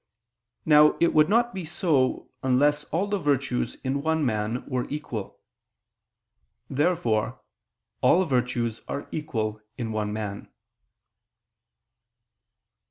Now it would not be so, unless all the virtues in one man were equal. Therefore all virtues are equal in one man.